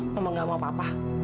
emang gak mau apa apa